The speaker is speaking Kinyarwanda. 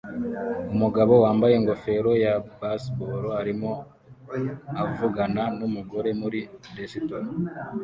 Umugabo wambaye ingofero ya baseball arimo avugana numugore muri resitora